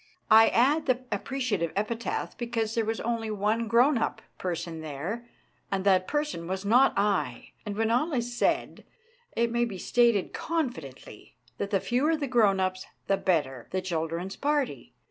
I add the appreciative epithet because there was only one grown up person there, and that person was not I ; and when all is said it may be stated confidently that the fewer the grown ups the better the children's party.